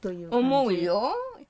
思うよ。